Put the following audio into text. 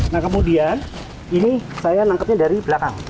nah kemudian ini saya nangkepnya dari belakang